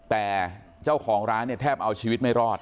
แต่เจ้าของร้านเนี่ยแทบเอาชีวิตไม่รอด